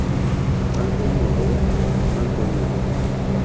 Malbonulo, malbonulo!